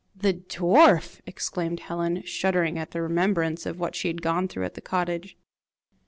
"The dwarf!" exclaimed Helen, shuddering at the remembrance of what she had gone through at the cottage.